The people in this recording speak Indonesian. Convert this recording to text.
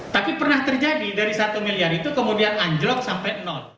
tapi pernah terjadi dari satu miliar itu kemudian anjlok sampai nol